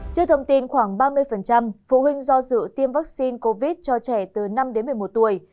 trước thông tin khoảng ba mươi phụ huynh do dự tiêm vaccine covid cho trẻ từ năm đến một mươi một tuổi